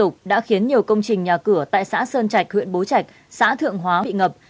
các huyện bố chạch xã thượng hóa bị ngập